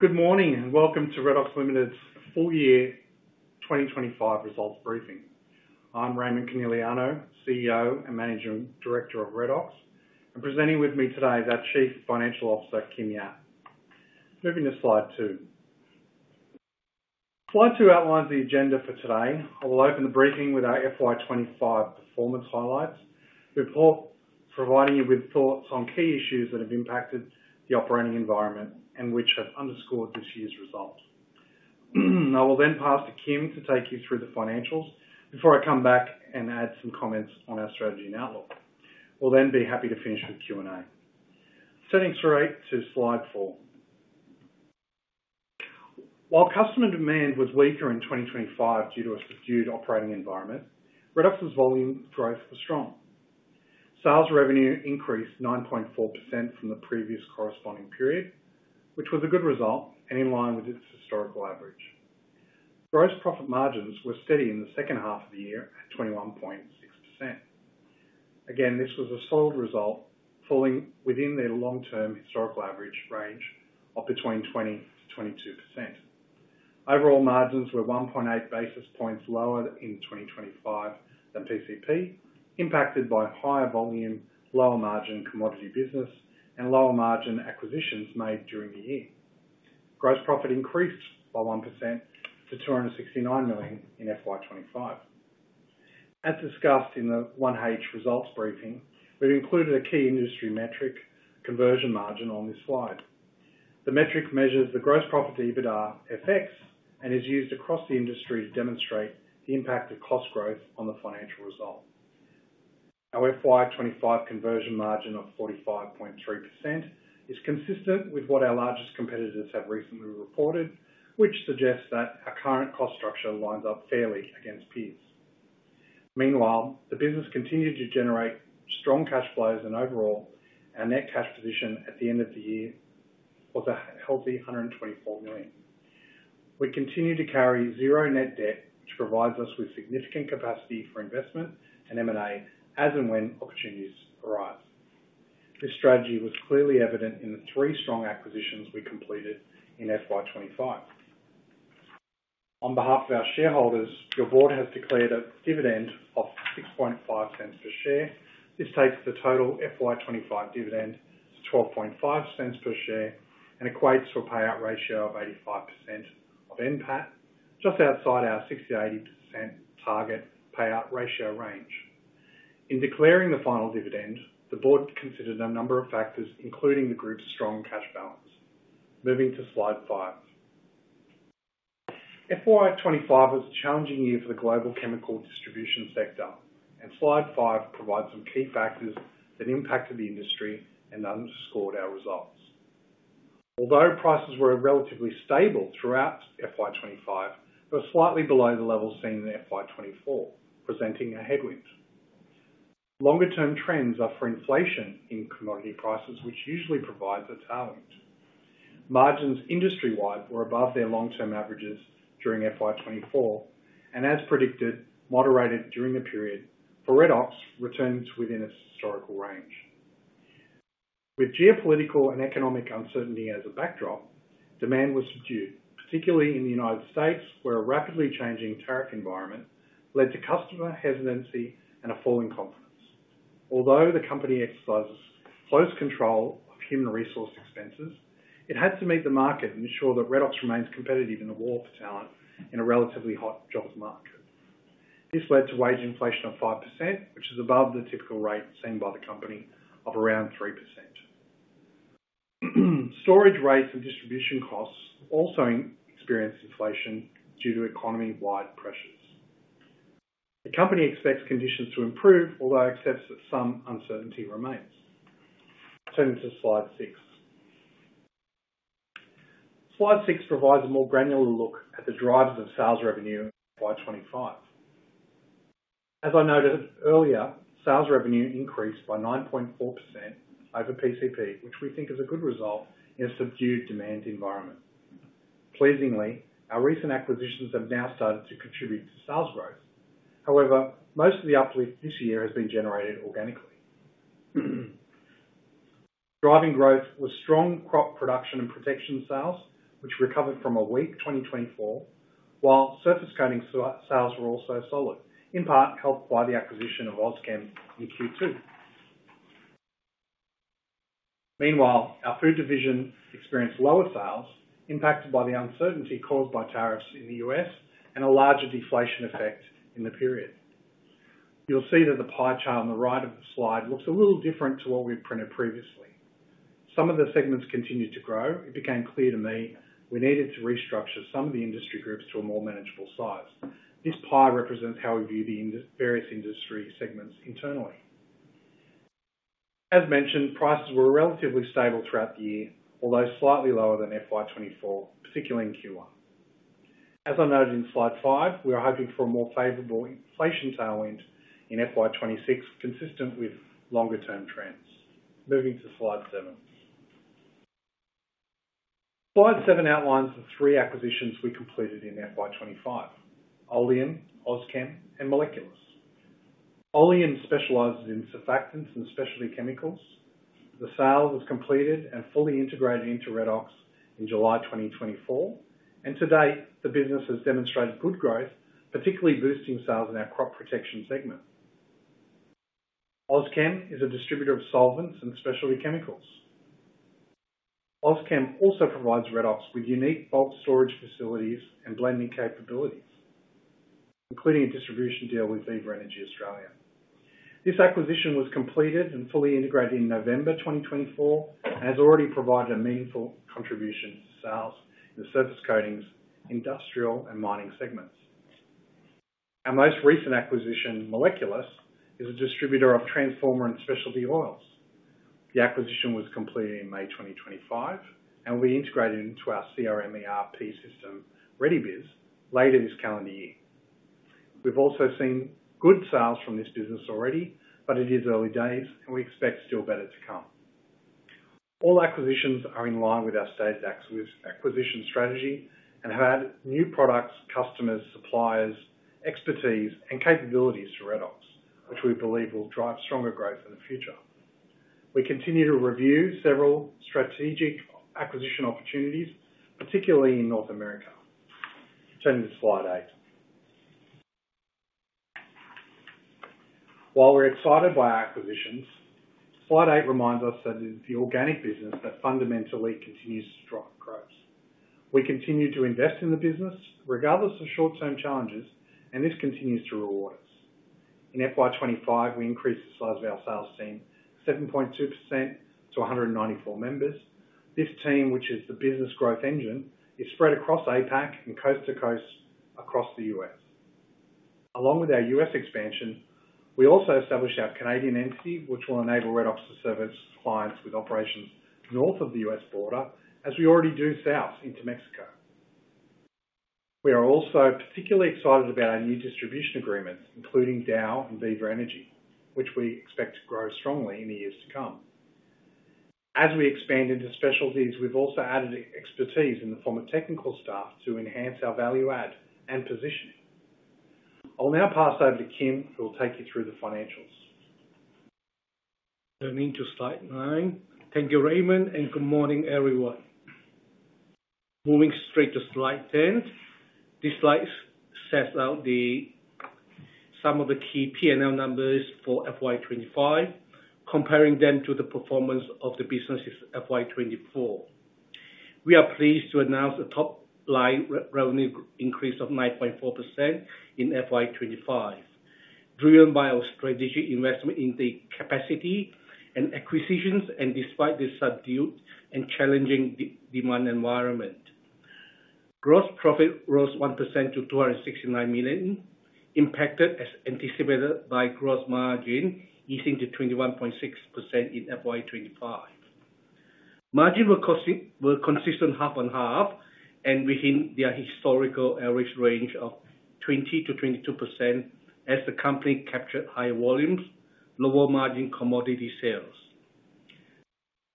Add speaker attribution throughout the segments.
Speaker 1: Good morning and welcome to Redox Ltd's all-year 2025 results briefing. I'm Raimond Coneliano, CEO and Managing Director of Redox, and presenting with me today is our Chief Financial Officer, Kim Yap. Moving to slide two. Slide two outlines the agenda for today. I will open the briefing with our FY 2025 performance highlights before providing you with thoughts on key issues that have impacted the operating environment and which have underscored this year's result. I will then pass to Kim to take you through the financials before I come back and add some comments on our strategy and outlook. We'll then be happy to finish with Q&A. Setting straight to slide four. While customer demand was weaker in 2025 due to a subdued operating environment, Redox's volume growth was strong. Sales revenue increased 9.4% from the previous corresponding period, which was a good result and in line with its historical average. Gross profit margins were steady in the second half of the year at 21.6%. Again, this was a solid result, falling within the long-term historical average range of between 20% to 22%. Overall margins were 1.8 basis points lower in 2025 than PCP, impacted by higher volume, lower margin commodity business, and lower margin acquisitions made during the year. Gross profit increased by 1% to $269 million in FY 2025. As discussed in the 1H results briefing, we've included a key industry metric, conversion margin, on this slide. The metric measures the gross profit EBITDA FX and is used across the industry to demonstrate the impact of cost growth on the financial result. Our FY 2025 conversion margin of 45.3% is consistent with what our largest competitors have recently reported, which suggests that our current cost structure lines up fairly against peers. Meanwhile, the business continued to generate strong cash flows, and overall, our net cash position at the end of the year was a healthy $124 million. We continue to carry zero net debt, which provides us with significant capacity for investment and M&A as and when opportunities arise. This strategy was clearly evident in the three strong acquisitions we completed in FY 2025. On behalf of our shareholders, your board has declared a dividend of $0.065 per share. This takes the total FY 2025 dividend to $0.125 per share and equates to a payout ratio of 85%, BENPAT, just outside our 60%-80% target payout ratio range. In declaring the final dividend, the Board considered a number of factors, including the group's strong cash balance. Moving to slide five. FY 2025 was a challenging year for the global chemical distribution sector, and slide five provides some key factors that impacted the industry and underscored our results. Although prices were relatively stable throughout FY 2025, they were slightly below the levels seen in FY 2024, presenting a headwind. Longer-term trends are for inflation in commodity prices, which usually provides a tailwind. Margins industry-wide were above their long-term averages during FY 2024 and, as predicted, moderated during the period for Redox, returning to within its historical range. With geopolitical and economic uncertainty as a backdrop, demand was subdued, particularly in the U.S., where a rapidly changing tariff environment led to customer hesitancy and a fall in confidence. Although the company exercises close control of human resource expenses, it had to meet the market and ensure that Redox remains competitive in the war for talent in a relatively hot jobs market. This led to wage inflation of 5%, which is above the typical rate seen by the company, of around 3%. Storage rates and distribution costs also experienced inflation due to economy-wide pressures. The company expects conditions to improve, although accepts that some uncertainty remains. Turning to slide six. Slide six provides a more granular look at the drivers of sales revenue for FY 2025. As I noted earlier, sales revenue increased by 9.4% over PCP, which we think is a good result in a subdued demand environment. Pleasingly, our recent acquisitions have now started to contribute to sales growth. However, most of the uplift this year has been generated organically. Driving growth was strong crop production and protection sales, which recovered from a weak 2024, while surface coating sales were also solid, in part helped by the acquisition of Auschem in Q2. Meanwhile, our food division experienced lower sales, impacted by the uncertainty caused by tariffs in the U.S. and a larger deflation effect in the period. You'll see that the pie chart on the right of the slide looks a little different to what we've printed previously. Some of the segments continued to grow. It became clear to me we needed to restructure some of the industry groups to a more manageable size. This pie represents how we view the various industry segments internally. As mentioned, prices were relatively stable throughout the year, although slightly lower than FY 2024, particularly in Q1. As I noted in slide five, we are hoping for a more favorable inflation tailwind in FY 2026, consistent with longer-term trends. Moving to slide seven. Slide seven outlines the three acquisitions we completed in FY 2025: Oleum, Auschem, and Molekulis. Oleum specializes in specialty surfactants and specialty chemicals. The sales have completed and fully integrated into Redox in July 2024, and to date, the business has demonstrated good growth, particularly boosting sales in our crop protection segment. Auschem is a distributor of solvents and specialty chemicals. Auschem also provides Redox with unique bulk storage facilities and blending capabilities, including a distribution deal with Viva Energy Australia. This acquisition was completed and fully integrated in November 2024 and has already provided a meaningful contribution to sales in the surface coatings, industrial, and mining segments. Our most recent acquisition, Molekulis, is a distributor of transformer and specialty oils. The acquisition was completed in May 2025 and will be integrated into our ERP/CRM system, Redebiz ERP/CRM, later this calendar year. We've also seen good sales from this business already, but it is early days and we expect still better to come. All acquisitions are in line with our staged acquisition strategy and have added new products, customers, suppliers, expertise, and capabilities to Redox, which we believe will drive stronger growth in the future. We continue to review several strategic acquisition opportunities, particularly in North America. Turning to slide eight. While we're excited by our acquisitions, slide eight reminds us that it is the organic business that fundamentally continues to drive growth. We continue to invest in the business regardless of short-term challenges, and this continues to reward us. In FY 2025, we increased the size of our sales team 7.2% to 194 members. This team, which is the business growth engine, is spread across APAC and coast to coast across the U.S. Along with our U.S. expansion, we also established our Canadian entity, which will enable Redox to service clients with operations north of the U.S. border, as we already do south into Mexico. We are also particularly excited about our new distribution agreements, including Dow and Viva Energy Australia, which we expect to grow strongly in the years to come. As we expand into specialties, we've also added expertise in the form of technical staff to enhance our value add and position. I'll now pass over to Kim, who will take you through the financials.
Speaker 2: Good morning to stakeholders. Thank you, Raimond, and good morning everyone. Moving straight to slide 10, this slide sets out some of the key P&L numbers for FY 2025, comparing them to the performance of the businesses in FY 2024. We are pleased to announce a top-line revenue increase of 9.4% in FY 2025, driven by our strategic investment in the capacity and acquisitions, and despite the subdued and challenging demand environment. Gross profit rose 1% to $269 million, impacted as anticipated by gross margin easing to 21.6% in FY 2025. Margins were consistent half and half and within their historical average range of 20%-22% as the company captured higher volumes, lower margin commodity sales.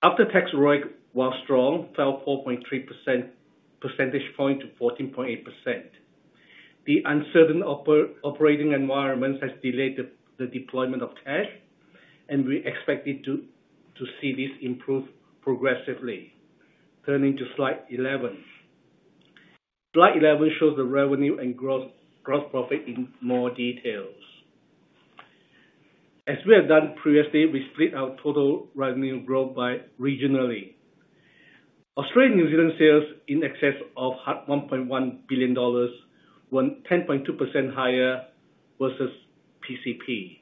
Speaker 2: After-tax ROIC was strong, fell 4.3% point to 14.8%. The uncertain operating environment has delayed the deployment of cash, and we expect to see this improve progressively. Turning to slide 11. Slide 11 shows the revenue and gross profit in more detail. As we have done previously, we split our total revenue growth by regionally. Australia and New Zealand sales in excess of $1.1 billion were 10.2% higher versus PCP.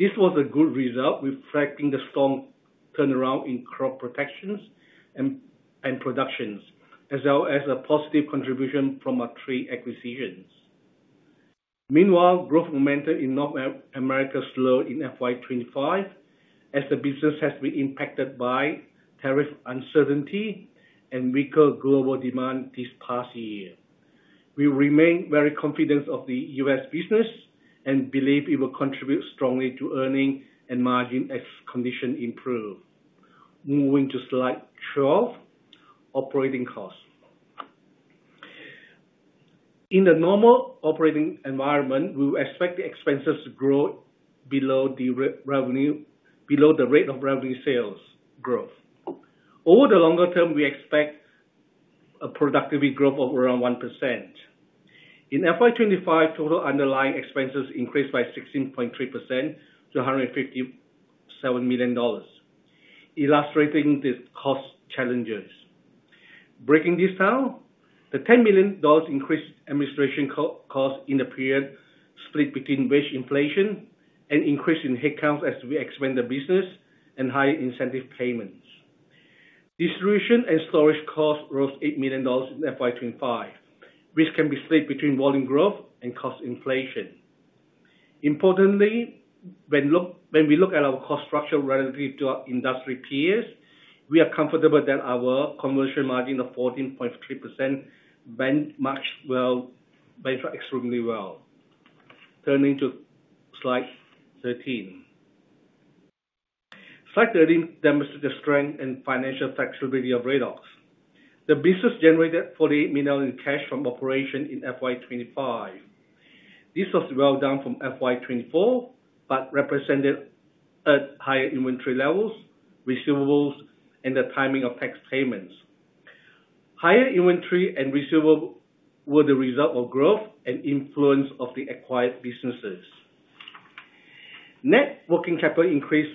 Speaker 2: This was a good result, reflecting the strong turnaround in crop protections and productions, as well as a positive contribution from our trade acquisitions. Meanwhile, growth momentum in North America is slow in FY 2025 as the business has been impacted by tariff-related uncertainty and weaker global demand this past year. We remain very confident of the U.S. business and believe it will contribute strongly to earnings and margin as conditions improve. Moving to slide 12, operating costs. In the normal operating environment, we will expect the expenses to grow below the rate of revenue sales growth. Over the longer term, we expect a productivity growth of around 1%. In FY 2025, total underlying expenses increased by 16.3% to $157 million, illustrating the cost challenges. Breaking this down, the $10 million increased administration costs in the period split between wage inflation and increase in headcount as we expand the business and high incentive payments. Distribution and storage costs rose $8 million in FY 2025, which can be split between volume growth and cost inflation. Importantly, when we look at our cost structure relative to our industry peers, we are comfortable that our conversion margin of 14.3% benchmarked extremely well. Turning to slide 13. Slide 13 demonstrates the strength and financial flexibility of Redox. The business generated $40 million in cash from operations in FY 2025. This was well done from FY 2024, but represented higher inventory levels, receivables, and the timing of tax payments. Higher inventory and receivables were the result of growth and influence of the acquired businesses. Net working capital increased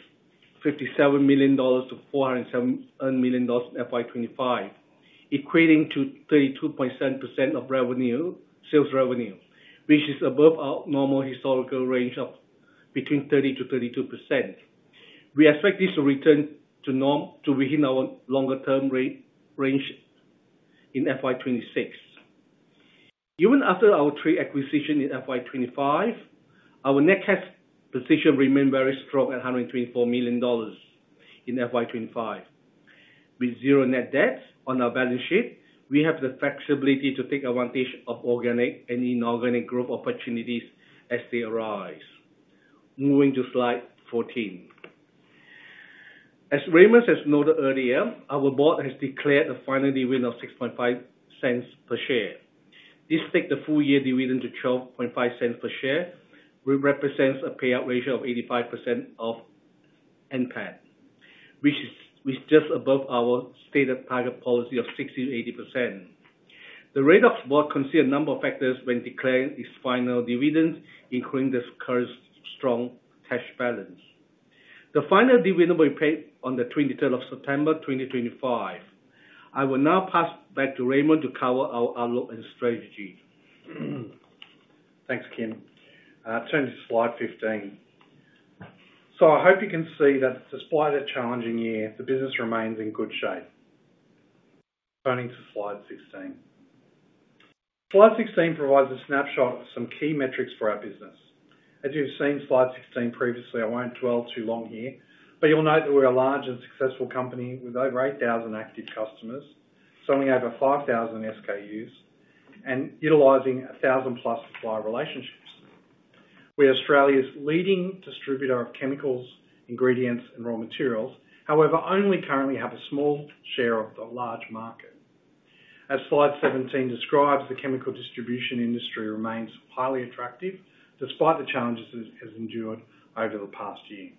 Speaker 2: $57 million to $407 million in FY 2025, equating to 32.7% of sales revenue, which is above our normal historical range of between 30%-32%. We expect this to return to norm to within our longer-term range in FY 2026. Even after our trade acquisition in FY 2025, our net cash position remained very strong at $124 million in FY 2025. With zero net debt on our balance sheet, we have the flexibility to take advantage of organic and inorganic growth opportunities as they arise. Moving to slide 14. As Raimond Coneliano has noted earlier, our board has declared a final dividend of $0.065 per share. This takes the full year dividend to $0.125 per share, which represents a payout ratio of 85% of NPAT, which is just above our stated target policy of 60%-80%. The Redox board considers a number of factors when declaring its final dividends, including the current strong cash balance. The final dividend will be paid on the 23rd of September 2025. I will now pass back to Raimond to cover our outlook and strategy.
Speaker 1: Thanks, Kim. I turn to slide 15. I hope you can see that despite a challenging year, the business remains in good shape. Turning to slide 16. Slide 16 provides a snapshot of some key metrics for our business. As you've seen slide 16 previously, I won't dwell too long here, but you'll note that we're a large and successful company with over 8,000 active customers, selling over 5,000 SKUs, and utilizing 1,000 plus supplier relationships. We are Australia's leading distributor of chemicals, ingredients, and raw materials, however, only currently have a small share of the large market. As slide 17 describes, the chemical distribution industry remains highly attractive despite the challenges it has endured over the past year.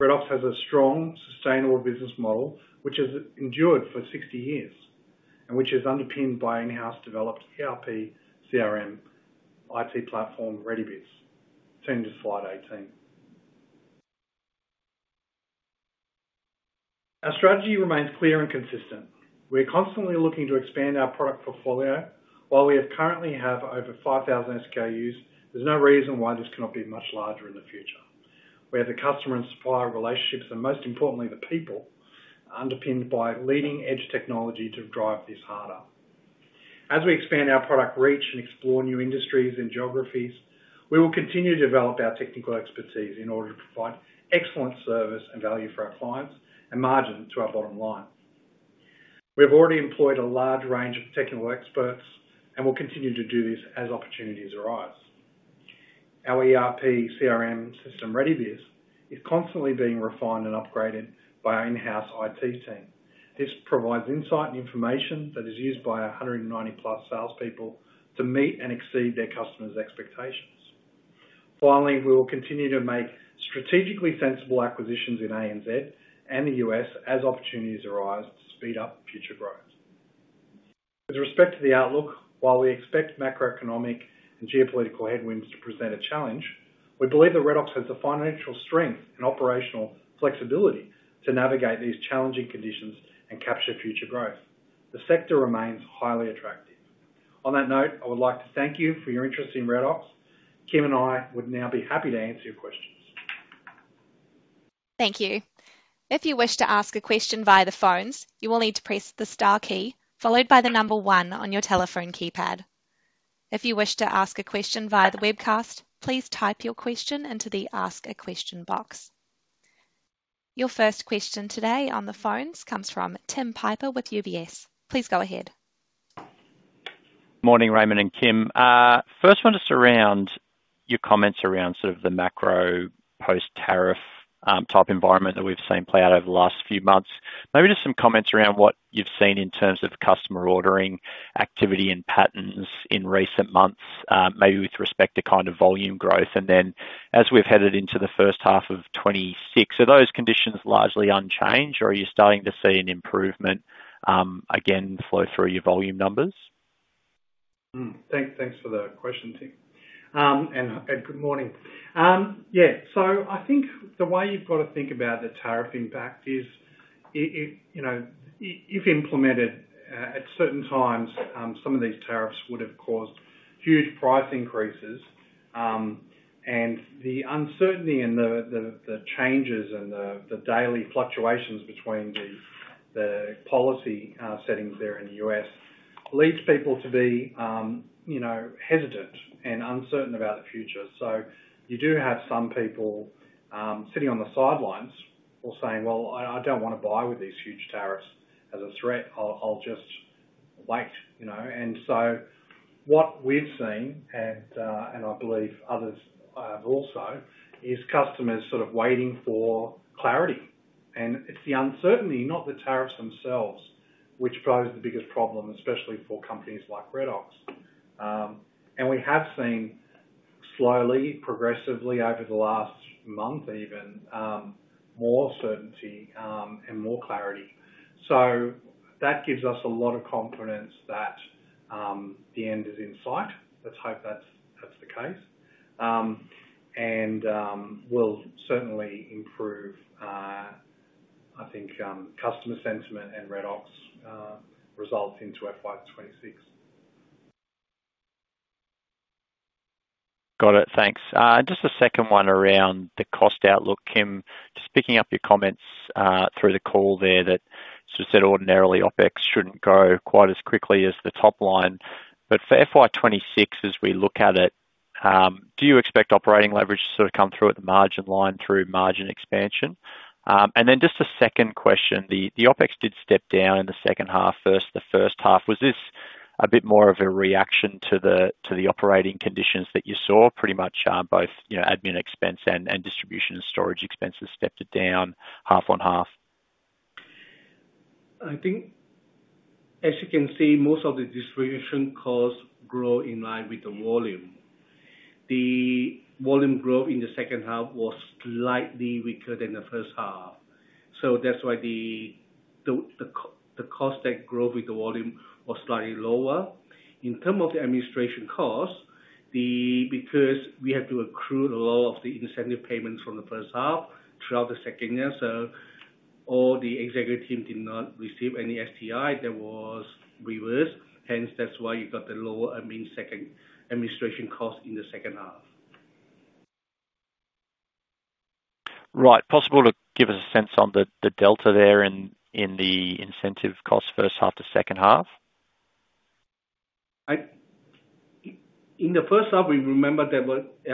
Speaker 1: Redox has a strong, sustainable business model, which has endured for 60 years and which is underpinned by in-house developed ERP, CRM, and IT platform Redebiz. Turning to slide 18. Our strategy remains clear and consistent. We're constantly looking to expand our product portfolio. While we currently have over 5,000 SKUs, there's no reason why this cannot be much larger in the future. We have the customer and supplier relationships, and most importantly, the people are underpinned by leading-edge technology to drive this harder. As we expand our product reach and explore new industries and geographies, we will continue to develop our technical expertise in order to provide excellent service and value for our clients and margin to our bottom line. We've already employed a large range of technical experts and will continue to do this as opportunities arise. Our ERP/CRM system, Redebiz, is constantly being refined and upgraded by our in-house IT team. This provides insight and information that is used by our 190 plus salespeople to meet and exceed their customers' expectations. Finally, we will continue to make strategically sensible acquisitions in A and Z and the U.S. as opportunities arise to speed up future growth. With respect to the outlook, while we expect macroeconomic and geopolitical headwinds to present a challenge, we believe that Redox has the financial strength and operational flexibility to navigate these challenging conditions and capture future growth. The sector remains highly attractive. On that note, I would like to thank you for your interest in Redox. Kim and I would now be happy to answer your questions.
Speaker 3: Thank you. If you wish to ask a question via the phones, you will need to press the star key followed by the number one on your telephone keypad. If you wish to ask a question via the webcast, please type your question into the ask a question box. Your first question today on the phones comes from Tim Piper with UBS. Please go ahead.
Speaker 4: Morning, Raimond and Kim. First, I want to surround your comments around sort of the macro post-tariff type environment that we've seen play out over the last few months. Maybe just some comments around what you've seen in terms of customer ordering activity and patterns in recent months, maybe with respect to kind of volume growth. As we've headed into the first half of 2026, are those conditions largely unchanged or are you starting to see an improvement again flow through your volume numbers?
Speaker 1: Thanks for the question, Tim. And good morning. Yeah, I think the way you've got to think about the tariff impact is, you know, if implemented at certain times, some of these tariffs would have caused huge price increases. The uncertainty and the changes and the daily fluctuations between the policy settings there in the U.S. leads people to be, you know, hesitant and uncertain about the future. You do have some people sitting on the sidelines or saying, I don't want to buy with these huge tariffs as a threat. I'll just wait, you know. What we've seen, and I believe others have also, is customers sort of waiting for clarity. It's the uncertainty, not the tariffs themselves, which pose the biggest problem, especially for companies like Redox. We have seen slowly, progressively over the last month, even more certainty and more clarity. That gives us a lot of confidence that the end is in sight. Let's hope that's the case. It will certainly improve, I think, customer sentiment and Redox results into FY 2026.
Speaker 4: Got it. Thanks. Just a second one around the cost outlook. Kim, just picking up your comments through the call there that sort of said ordinarily OpEx shouldn't go quite as quickly as the top line. For FY 2026, as we look at it, do you expect operating leverage to sort of come through at the margin line through margin expansion? Just a second question. The OpEx did step down in the second half versus the first half. Was this a bit more of a reaction to the operating conditions that you saw? Pretty much both admin expense and distribution and storage expenses stepped down half on half.
Speaker 2: I think, as you can see, most of the distribution costs grow in line with the volume. The volume growth in the second half was slightly weaker than the first half, which is why the cost that grows with the volume was slightly lower. In terms of the administration costs, because we had to accrue a lot of the incentive payments from the first half throughout the second year, all the Executive Team did not receive any STI, that was reversed. Hence, that's why you got the lower administration costs in the second half.
Speaker 4: Right. Possible to give us a sense on the delta there in the incentive costs first half to second half?
Speaker 2: In the first half, we remember there was a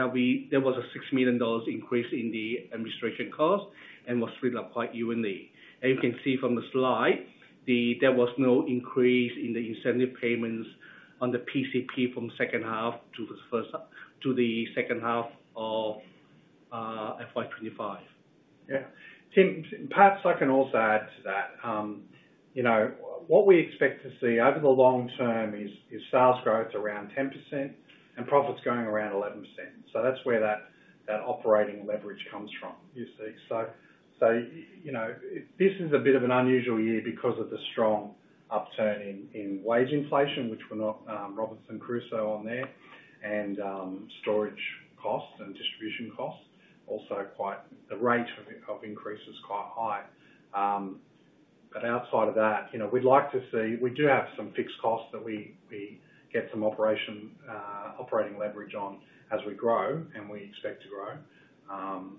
Speaker 2: $6 million increase in the administration costs and was split up quite evenly. As you can see from the slide, there was no increase in the incentive payments on the PCP from the second half to the first to the second half of FY 2025.
Speaker 1: Yeah. Tim, perhaps I can also add to that. You know, what we expect to see over the long term is sales growth around 10% and profits going around 11%. That's where that operating leverage comes from, you see. This is a bit of an unusual year because of the strong upturn in wage inflation, which we're not Robinson Crusoe on there, and storage costs and distribution costs also quite, the range of increases quite high. Outside of that, we'd like to see, we do have some fixed costs that we get some operating leverage on as we grow and we expect to grow.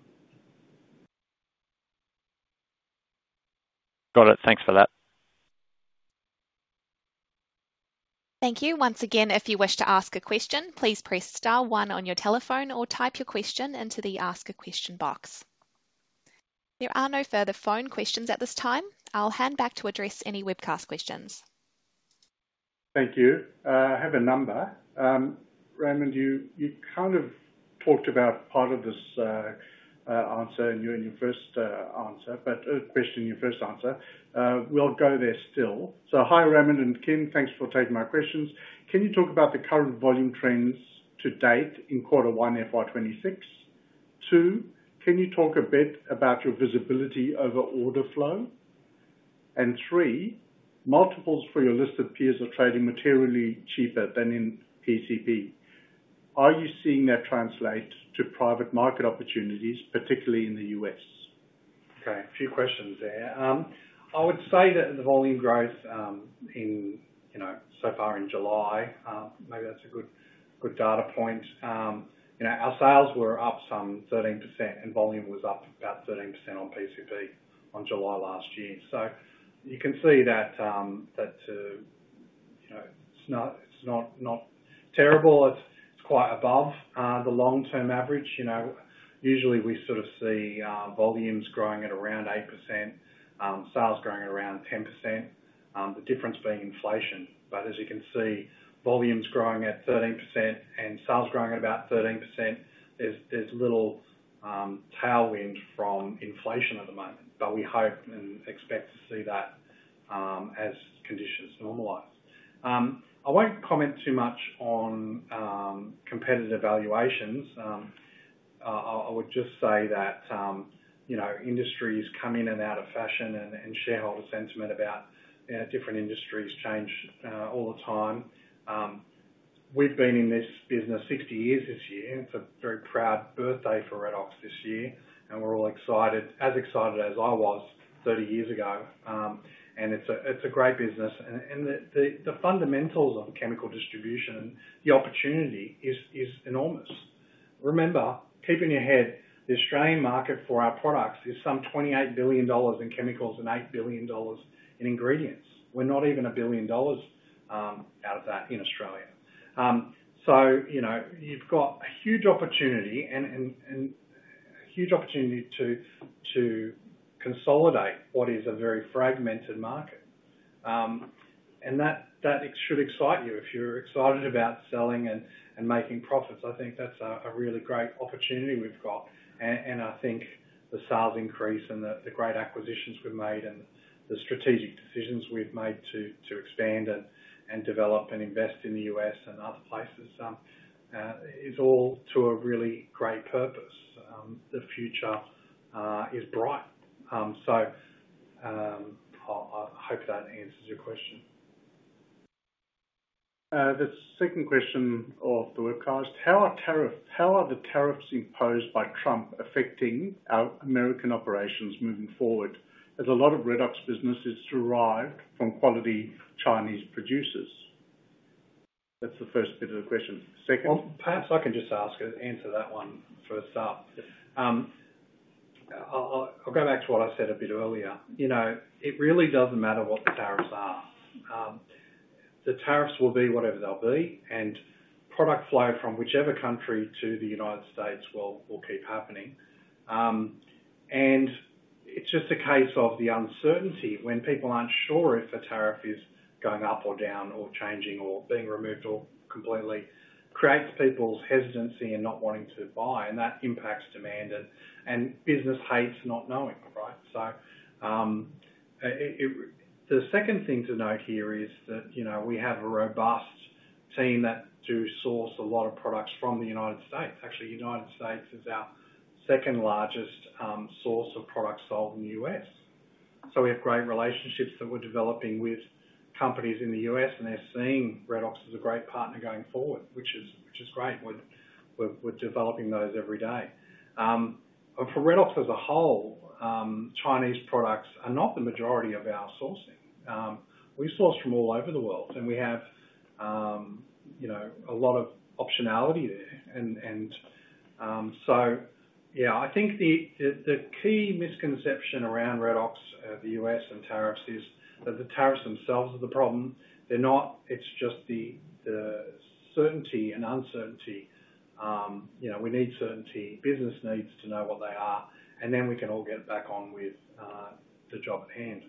Speaker 4: Got it. Thanks for that.
Speaker 3: Thank you. Once again, if you wish to ask a question, please press star one on your telephone or type your question into the ask a question box. There are no further phone questions at this time. I'll hand back to address any webcast questions. Thank you. I have a number. Raimond, you kind of talked about part of this answer in your first answer, but a question in your first answer. We'll go there still. Hi, Raimond and Kim. Thanks for taking my questions. Can you talk about the current volume trends to date in quarter one FY 2026? Two, can you talk a bit about your visibility over order flow? Three, multiples for your list of peers are trading materially cheaper than in PCP. Are you seeing that translate to private market opportunities, particularly in the U.S.?
Speaker 1: Okay, a few questions there. I would say that in the volume growth in, you know, so far in July, maybe that's a good data point. Our sales were up some 13% and volume was up about 13% on PCP on July last year. You can see that it's not terrible. It's quite above the long-term average. Usually we sort of see volumes growing at around 8%, sales growing at around 10%, the difference being inflation. As you can see, volumes growing at 13% and sales growing at about 13%, there's little tailwind from inflation at the moment. We hope and expect to see that as conditions normalize. I won't comment too much on competitive evaluations. I would just say that industries come in and out of fashion and shareholder sentiment about different industries change all the time. We've been in this business 50 years this year. It's a very proud birthday for Redox this year, and we're all excited, as excited as I was 30 years ago. It's a great business. The fundamentals of chemical distribution, the opportunity is enormous. Remember, keep in your head, the Australian market for our products is some $28 billion in chemicals and $8 billion in ingredients. We're not even a billion dollars out of that in Australia. You've got a huge opportunity and a huge opportunity to consolidate what is a very fragmented market. That should excite you if you're excited about selling and making profits. I think that's a really great opportunity we've got. I think the sales increase and the great acquisitions we've made and the strategic decisions we've made to expand and develop and invest in the U.S. and other places is all to a really great purpose. The future is bright. I hope that answers your question. The second question of the webcast, how are the tariffs imposed by Trump affecting our American operations moving forward as a lot of Redox business is derived from quality Chinese producers? That's the first bit of the question. Perhaps I can just answer that one first up. I'll go back to what I said a bit earlier. It really doesn't matter what the tariffs are. The tariffs will be whatever they'll be, and product flow from whichever country to the U.S. will keep happening. It's just a case of the uncertainty when people aren't sure if a tariff is going up or down or changing or being removed completely creates people's hesitancy and not wanting to buy, and that impacts demand. Business hates not knowing, right? The second thing to note here is that we have a robust team that does source a lot of products from the U.S. Actually, the U.S. is our second largest source of products sold in the U.S. We have great relationships that we're developing with companies in the U.S., and they're seeing Redox as a great partner going forward, which is great. We're developing those every day. For Redox as a whole, Chinese products are not the majority of our sourcing. We source from all over the world, and we have a lot of optionality there. I think the key misconception around Redox, the U.S., and tariffs is that the tariffs themselves are the problem. They're not. It's just the certainty and uncertainty. We need certainty. Business needs to know what they are, and then we can all get back on with the job at hand.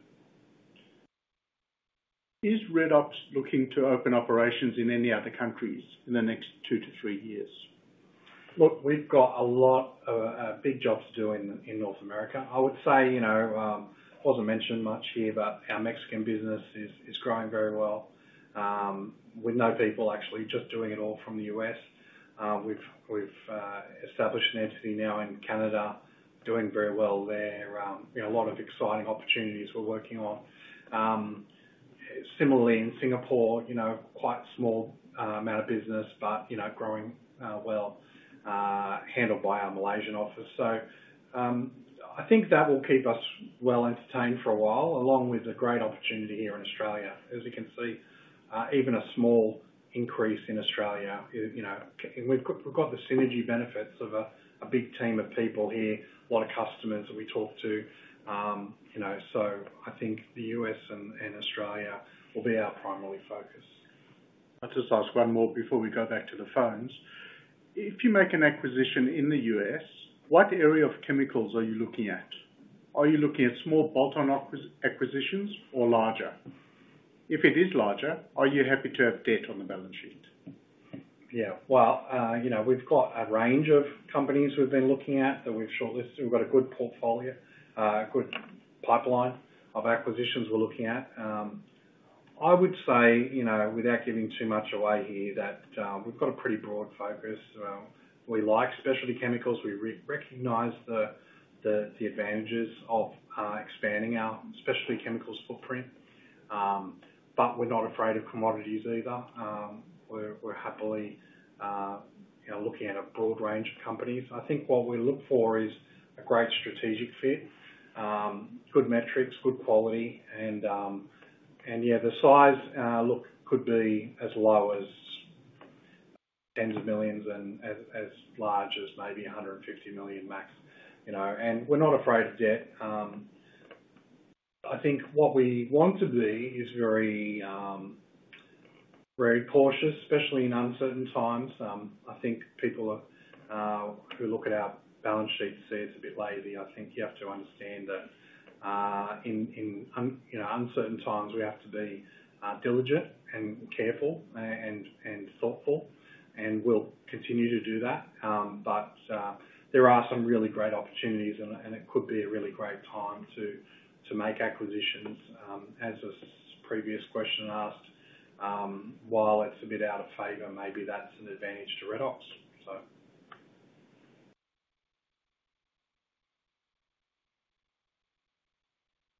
Speaker 1: Is Redox looking to open operations in any other countries in the next two to three years? Look, we've got a lot of big jobs to do in North America. I would say it wasn't mentioned much here, but our Mexican business is growing very well. We know people actually just doing it all from the U.S. We've established an entity now in Canada, doing very well there. A lot of exciting opportunities we're working on. Similarly, in Singapore, quite a small amount of business, but growing well, handled by our Malaysian office. I think that will keep us well entertained for a while, along with a great opportunity here in Australia. As you can see, even a small increase in Australia, and we've got the synergy benefits of a big team of people here, a lot of customers that we talk to. I think the U.S. and Australia will be our primary focus. Let's just ask one more before we go back to the phones. If you make an acquisition in the U.S., what area of chemicals are you looking at? Are you looking at small bolt-on acquisitions or larger? If it is larger, are you happy to have debt on the balance sheet? Yeah, you know, we've got a range of companies we've been looking at that we've shortlisted. We've got a good portfolio, a good pipeline of acquisitions we're looking at. I would say, you know, without giving too much away here, that we've got a pretty broad focus. We like specialty chemicals. We recognize the advantages of expanding our specialty chemicals footprint. We're not afraid of commodities either. We're happily looking at a broad range of companies. I think what we look for is a great strategic fit, good metrics, good quality, and yeah, the size could be as low as tens of millions and as large as maybe $150 million max, you know, and we're not afraid of debt. I think what we want to be is very, very cautious, especially in uncertain times. I think people who look at our balance sheets say it's a bit lazy. I think you have to understand that in uncertain times, we have to be diligent and careful and thoughtful, and we'll continue to do that. There are some really great opportunities, and it could be a really great time to make acquisitions. As this previous question asked, while it's a bit out of favor, maybe that's an advantage to Redox.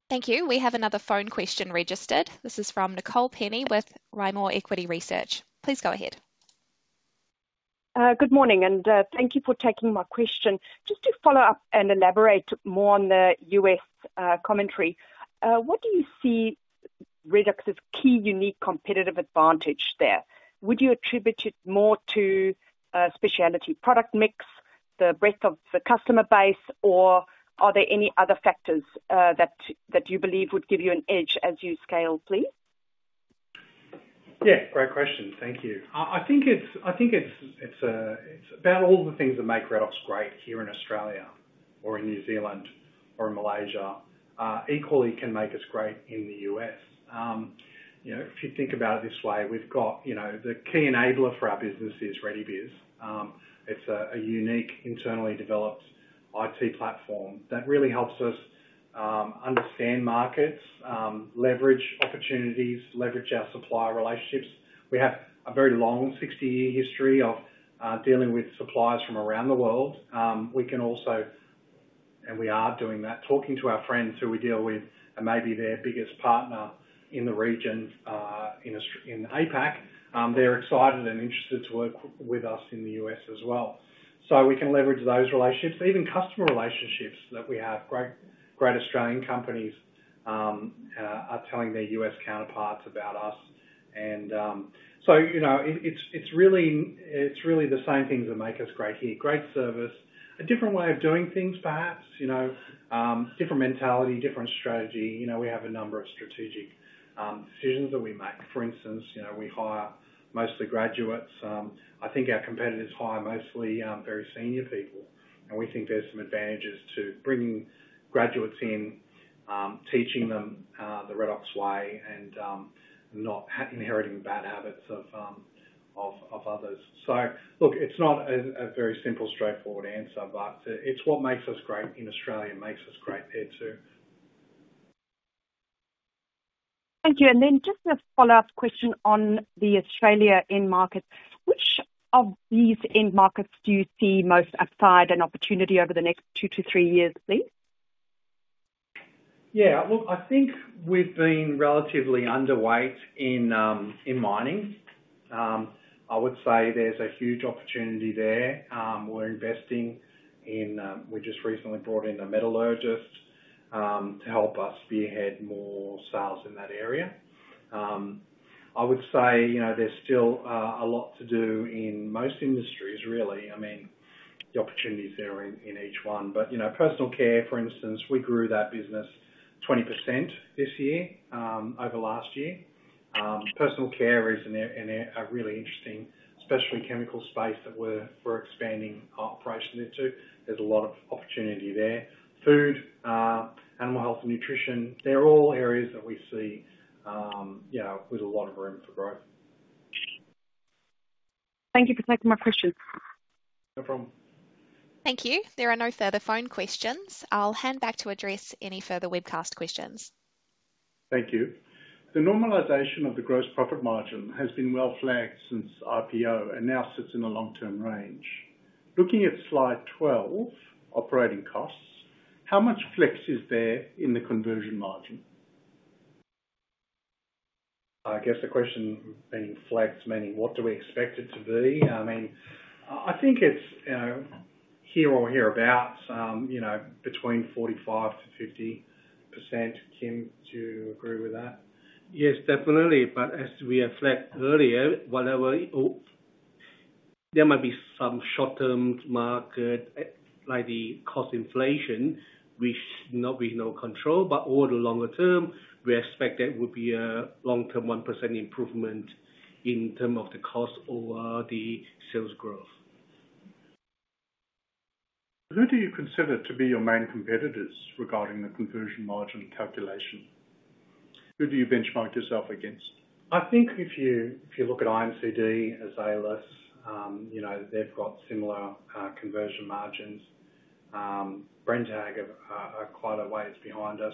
Speaker 3: Thank you. We have another phone question registered. This is from Nicole Penny with Rimor Equity Research. Please go ahead.
Speaker 5: Good morning, and thank you for taking my question. Just to follow up and elaborate more on the U.S. commentary, what do you see Redox's key unique competitive advantage there? Would you attribute it more to a specialty product mix, the breadth of the customer base, or are there any other factors that you believe would give you an edge as you scale? Please.
Speaker 1: Yeah, great question. Thank you. I think it's about all the things that make Redox great here in Australia or in New Zealand or in Malaysia, equally can make us great in the U.S. If you think about it this way, we've got the key enabler for our business is Redebiz. It's a unique internally developed IT platform that really helps us understand markets, leverage opportunities, leverage our supplier relationships. We have a very long 60-year history of dealing with suppliers from around the world. We can also, and we are doing that, talking to our friends who we deal with, and maybe their biggest partner in the region in APAC. They're excited and interested to work with us in the U.S. as well. We can leverage those relationships, even customer relationships that we have. Great Australian companies are telling their U.S. counterparts about us. It's really the same things that make us great here. Great service, a different way of doing things, perhaps a different mentality, different strategy. We have a number of strategic decisions that we make. For instance, we hire mostly graduates. I think our competitors hire mostly very senior people, and we think there's some advantages to bringing graduates in, teaching them the Redox way, and not inheriting bad habits of others. It's not a very simple, straightforward answer, but it's what makes us great in Australia makes us great there too.
Speaker 5: Thank you. Just a follow-up question on the Australia end market. Which of these end markets do you see most as a pride and opportunity over the next two to three years, please?
Speaker 1: Yeah, look, I think we've been relatively underweight in mining. I would say there's a huge opportunity there. We're investing in, we just recently brought in a metallurgist to help us be ahead more sales in that area. I would say there's still a lot to do in most industries, really. I mean, the opportunities there are in each one. Personal care, for instance, we grew that business 20% this year over last year. Personal care is a really interesting specialty chemical space that we're expanding our operation into. There's a lot of opportunity there. Food, animal health, and nutrition, they're all areas that we see with a lot of room for growth.
Speaker 5: Thank you for taking my questions.
Speaker 1: No problem.
Speaker 3: Thank you. There are no further phone questions. I'll hand back to address any further webcast questions. Thank you. The normalization of the gross profit margin has been well flagged since IPO and now sits in a long-term range. Looking at slide 12, operating costs, how much flex is there in the conversion margin?
Speaker 1: I guess the question being flex, meaning what do we expect it to be? I mean, I think it's here or hereabouts, you know, between 45%-50%. Kim, do you agree with that?
Speaker 2: Yes, definitely. As we have flagged earlier, there might be some short-term market, like the cost inflation, which is not within our control. Over the longer term, we expect that it would be a long-term 1% improvement in terms of the cost or the sales growth. Who do you consider to be your main competitors regarding the conversion margin calculation? Who do you benchmark yourself against?
Speaker 1: I think if you look at IMCD, Azelis, you know, they've got similar conversion margins. Brenntag are quite a ways behind us.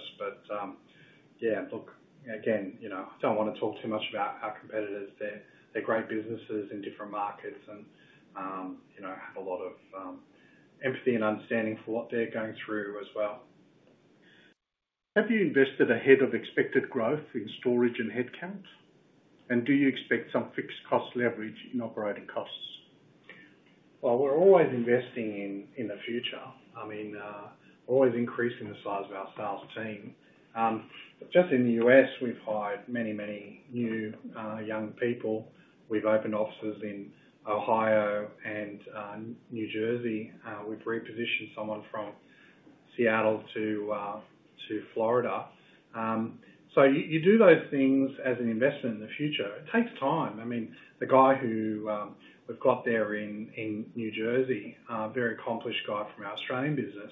Speaker 1: Yeah, look, again, you know, I don't want to talk too much about our competitors. They're great businesses in different markets and, you know, have a lot of empathy and understanding for what they're going through as well. Have you invested ahead of expected growth in storage and headcount? Do you expect some fixed cost leverage in operating costs? We're always investing in the future. I mean, we're always increasing the size of our staff team. Just in the U.S., we've hired many, many new young people. We've opened offices in Ohio and New Jersey. We've repositioned someone from Seattle to Florida. You do those things as an investment in the future. It takes time. I mean, the guy who we've got there in New Jersey, a very accomplished guy from our Australian business,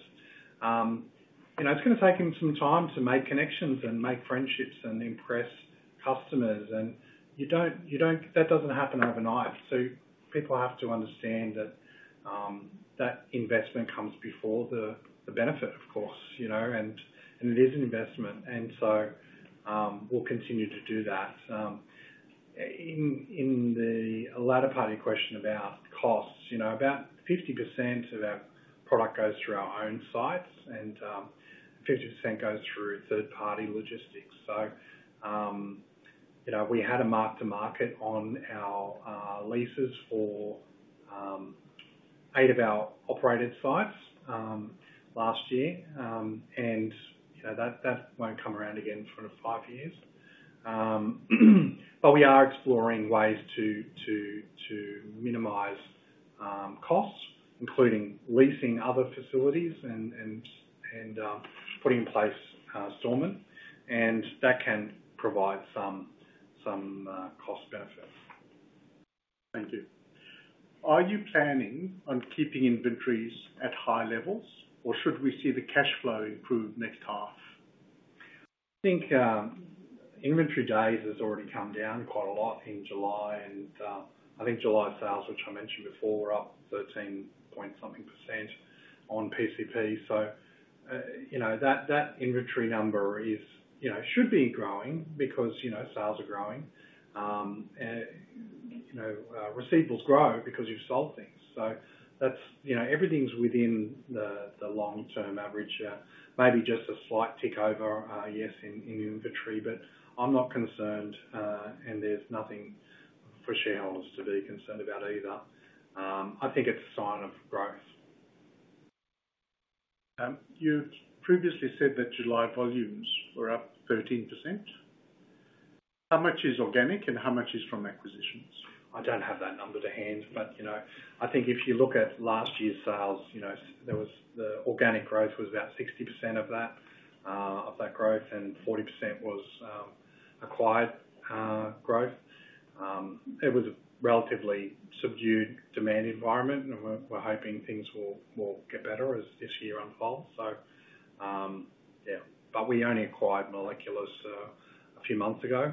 Speaker 1: you know, it's going to take him some time to make connections and make friendships and impress customers. You don't, that doesn't happen overnight. People have to understand that investment comes before the benefit, of course, you know, and it is an investment. We'll continue to do that. In the latter part of your question about costs, about 50% of our product goes through our own sites and 50% goes through third-party logistics. We had a mark-to-market on our leases for eight of our operated sites last year, and that won't come around again for five years. We are exploring ways to minimize costs, including leasing other facilities and putting in place storming. That can provide some cost benefits. Thank you. Are you planning on keeping inventories at high levels, or should we see the cash flow improve next half? I think inventory days has already come down quite a lot in July. I think July sales, which I mentioned before, were up 13.% on PCP. That inventory number should be growing because sales are growing. Receivables grow because you've sold things. That's everything's within the long-term average. Maybe just a slight tick over, yes, in inventory, but I'm not concerned. There's nothing for shareholders to be concerned about either. I think it's a sign of growth. You previously said that July volumes were up 13%. How much is organic and how much is from acquisitions? I don't have that number to hand, but I think if you look at last year's sales, the organic growth was about 60% of that growth and 40% was acquired growth. It was a relatively subdued demand environment, and we're hoping things will get better as this year unfolds. We only acquired Molekulis a few months ago,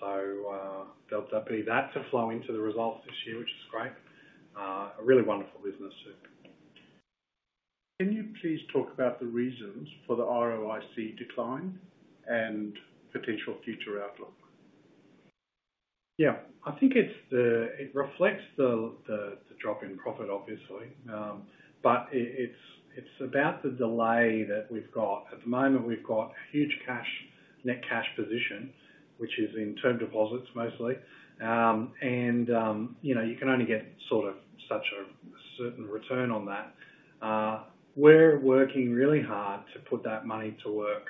Speaker 1: so there'll be that to flow into the results this year, which is great. A really wonderful business too. Can you please talk about the reasons for the ROIC decline and potential future outlook? Yeah, I think it reflects the drop in profit, obviously. It's about the delay that we've got. At the moment, we've got a huge net cash position, which is in term deposits mostly. You know, you can only get sort of such a certain return on that. We're working really hard to put that money to work,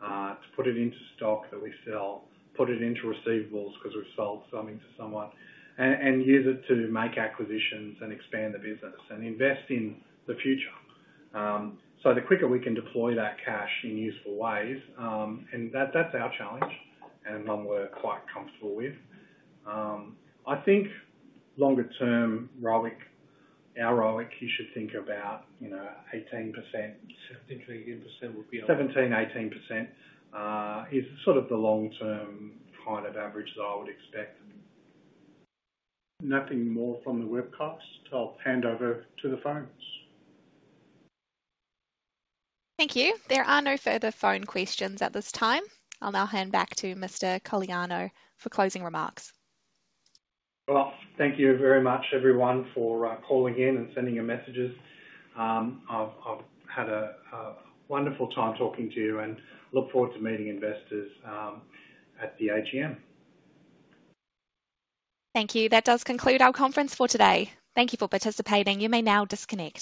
Speaker 1: to put it into stock that we sell, put it into receivables because we've sold something to someone, and use it to make acquisitions and expand the business and invest in the future. The quicker we can deploy that cash in useful ways, that's our challenge and one we're quite comfortable with. I think longer-term ROIC, our ROIC, you should think about, you know, 18%.
Speaker 2: 17% to 18% would be.
Speaker 1: 17%, 18% is sort of the long-term kind of average that I would expect. Nothing more from the webcast. I'll hand over to the phones.
Speaker 3: Thank you. There are no further phone questions at this time. I'll now hand back to Mr. Coneliano for closing remarks.
Speaker 1: Thank you very much, everyone, for calling in and sending your messages. I've had a wonderful time talking to you and look forward to meeting investors at the AGM.
Speaker 3: Thank you. That does conclude our conference for today. Thank you for participating. You may now disconnect.